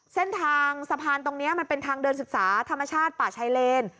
เส้นทางสะพานตรงนี้มันเป็นทางเดินศึกษาธรรมชาติป่าชายเลน